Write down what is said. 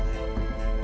cara per manigan